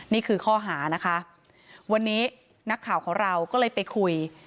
นี่คือข้อหานะคะวันนี้นักข่าวของเราก็เลยไปคุย